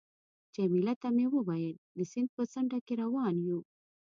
جميله ته مې وویل: د سیند په څنډه کې روان یو.